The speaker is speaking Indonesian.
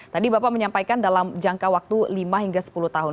tadi bapak menyampaikan dalam jangka waktu lima hingga sepuluh tahun